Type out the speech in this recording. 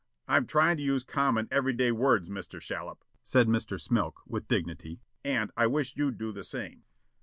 "I'm tryin' to use common, every day words, Mr. Shallop," said Mr. Smilk, with dignity, "and I wish you'd do the same."